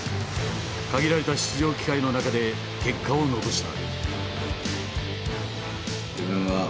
限られた出場機会の中で結果を残した。